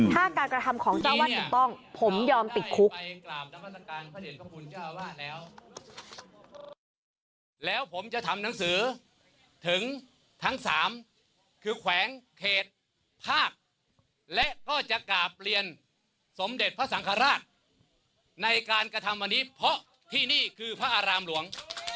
ถ้าการกระทำของเจ้าอาวาสถูกต้อง